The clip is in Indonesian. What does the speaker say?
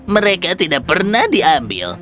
mereka tidak pernah diambil